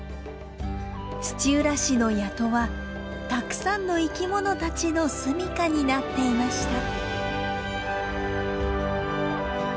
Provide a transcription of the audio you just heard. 土浦市の谷戸はたくさんの生き物たちの住みかになっていました。